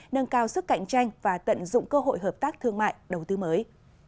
nâng cao sức cạnh tranh và tận dụng cơ hội hợp tác thương mại đầu tư mới